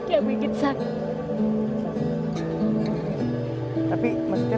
ya begitu saja